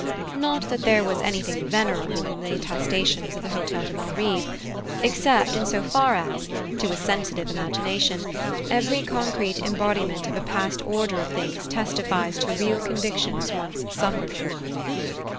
Not that there was anything venerable in the attestations of the Hotel de Malrive, except in so far as, to a sensitive imagination, every concrete embodiment of a past order of things testifies to real convictions once suffered for.